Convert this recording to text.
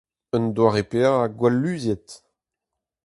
Un doare paeañ gwall luziet.